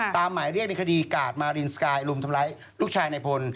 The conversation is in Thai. หมายเรียกในคดีกาดมารินสกายรุมทำร้ายลูกชายในพล